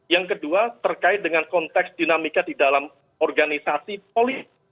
yang kedua terkait dengan konteks dinamika di dalam organisasi politik